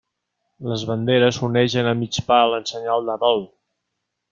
Les banderes onegen a mig pal en senyal de dol.